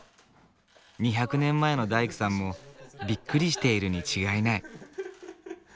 ２００年前の大工さんもびっくりしているに違いない。